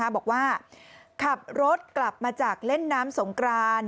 บอกว่าขับรถกลับมาจากเล่นน้ำสงกราน